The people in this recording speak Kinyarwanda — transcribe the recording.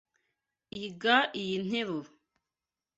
Iga iyi nteruro.